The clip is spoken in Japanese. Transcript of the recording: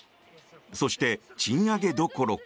そして、賃上げどころか。